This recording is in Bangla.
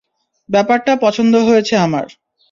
ব্যাপারটা পছন্দ হয়েছে আমার।